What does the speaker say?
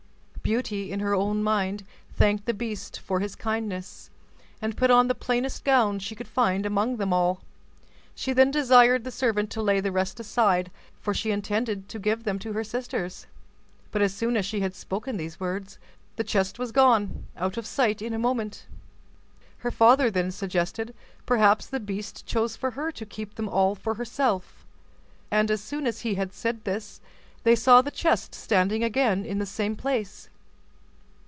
Beauty, in her own mind, thanked the beast for his kindness, and put on the plainest gown she could find among them all. She then desired the servant to lay the rest aside, for she intended to give them to her sisters; but, as soon as she had spoken these words, the chest was gone out of sight in a moment. Her father then suggested, perhaps the beast chose for her to keep them all for herself: and as soon as he had said this, they saw the chest standing again in the same place.